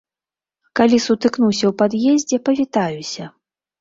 Калі сутыкнуся ў пад'ездзе, павітаюся.